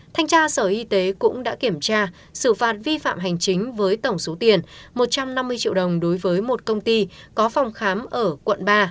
thanh tra sở y tế cũng đã kiểm tra xử phạt vi phạm hành chính với tổng số tiền một trăm năm mươi triệu đồng đối với một công ty có phòng khám ở quận ba